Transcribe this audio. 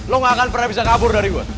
lo gak akan pernah bisa kabur dari gue